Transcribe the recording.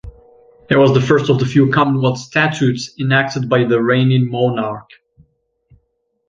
It was the first of the few Commonwealth Statutes enacted by the reigning Monarch.